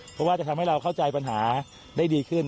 เพราะว่าจะทำให้เราเข้าใจปัญหาได้ดีขึ้น